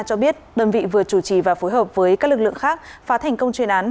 cho biết đơn vị vừa chủ trì và phối hợp với các lực lượng khác phá thành công chuyên án